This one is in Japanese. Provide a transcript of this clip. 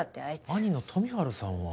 兄の富治さんは。